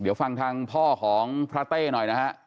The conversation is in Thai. เดี๋ยวฟังทางพ่อของพระเต้หน่อยนะฮะ